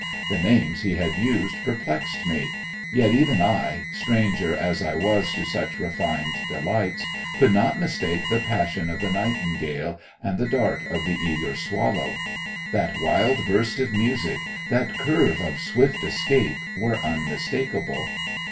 The names he had used perplexed me. Yet even I, stranger as I was to such refined delights, could not mistake the passion of the nightingale and the dart of the eager swallow. That wild burst of music, that curve of swift escape, were unmistakable.